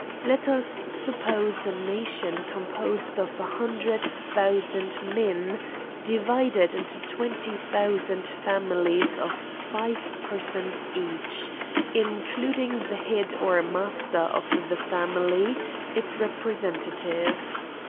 Let us suppose a nation composed of an hundred thousand men, divided into twenty thousand families of five persons each, including CRIMES AND PUNISHMENTS. 89 the head or master of the family, its representative.